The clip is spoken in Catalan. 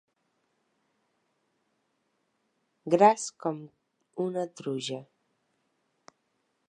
Gras com una truja.